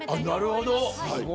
なるほど。